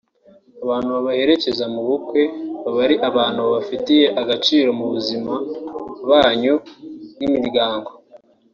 Abantu babaherekeza mu bukwe baba ari abantu babafitiye agaciro mu buzima banyu nk’imiryango